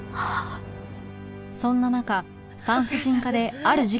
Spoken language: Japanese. そんな中産婦人科である事件が起こる